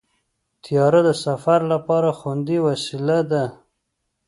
طیاره د سفر لپاره خوندي وسیله ده.